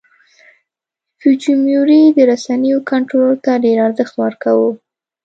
فوجیموري د رسنیو کنټرول ته ډېر ارزښت ورکاوه.